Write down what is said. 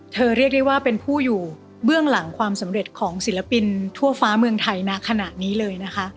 เรียกได้ว่าเป็นผู้อยู่เบื้องหลังความสำเร็จของศิลปินทั่วฟ้าเมืองไทยณขณะนี้เลยนะคะ